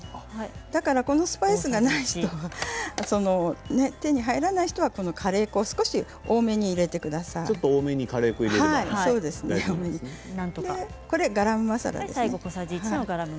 だからこのスパイスがない人は手に入らない人はカレー粉を少し多めに入れてちょっと多めにカレー粉をガラムマサラですね。